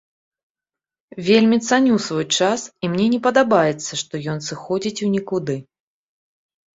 Вельмі цаню свой час, і мне не падабаецца, што ён сыходзіць у нікуды.